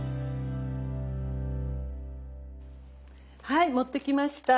はい持ってきました！